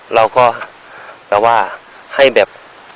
เราก็แบบว่าให้แบบ